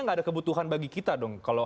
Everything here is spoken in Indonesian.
nggak ada kebutuhan bagi kita dong kalau